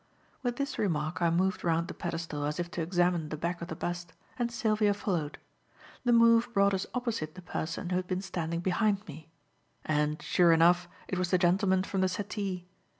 With this remark I moved round the pedestal as if to examine the back of the bust, and Sylvia followed. The move brought us opposite the person who had been standing behind me; and, sure enough, it was the gentleman from the settee.